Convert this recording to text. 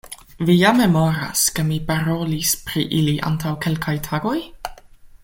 Vi ja memoras, ke mi parolis pri ili antaŭ kelkaj tagoj?